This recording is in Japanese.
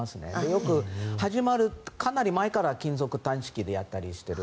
よく、始まるかなり前から金属探知機でやったりしてる。